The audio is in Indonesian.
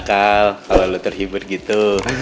kalau lu terhibur gitu